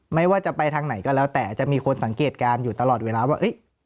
ไม่ว่าจะไปทางไหนก็แล้วแต่จะมีคนสังเกตการณ์อยู่ตลอดเวลาว่า